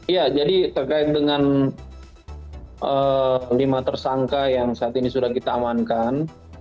ya jadi terkait dengan lima tersangka yang saat ini sudah kita amankan